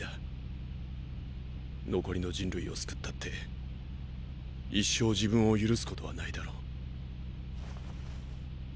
残りの人類を救ったって一生自分を許すことはないだろう。